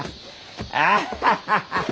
アハハハハ！